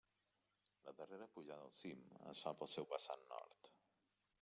La darrera pujada al cim es fa pel seu vessant nord.